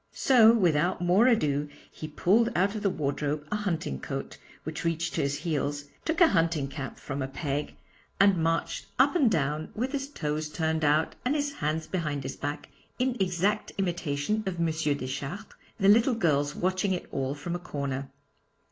So without more ado he pulled out of the wardrobe a hunting coat, which reached to his heels, took a hunting cap from a peg, and marched up and down with his toes turned out and his hands behind his back, in exact imitation of M. Deschartres, the little girls watching it all from a corner.